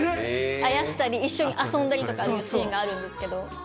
あやしたり、一緒に遊んだりというシーンがあるんですけれども。